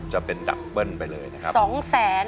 จะเป็นดับเบิ้ลไปเลยนะครับ